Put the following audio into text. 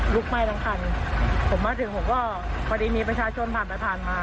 ไหม้ทั้งคันผมมาถึงผมก็พอดีมีประชาชนผ่านไปผ่านมา